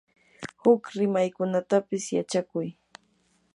huk rimaykunatapis yachakuy.